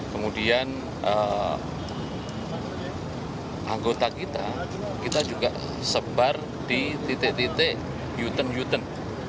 kemudian anggota kita kita juga sebar di titik titik uten yuten